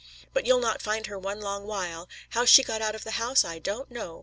But you'll not find her for one long while. How she got out of the house I don't know.